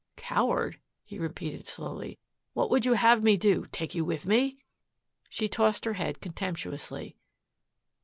"Coward?" he repeated slowly. "What would you have me do take you with me?" She tossed her head contemptuously.